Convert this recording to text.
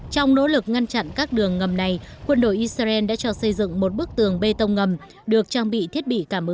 thân ái chào tạm biệt